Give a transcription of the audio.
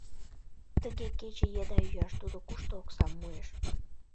Тыге кече еда йӱаш тудо кушто оксам муэш?